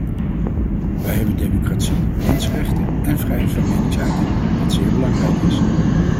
Wij hebben democratie, mensenrechten en vrijheid van meningsuiting, wat zeer belangrijk is.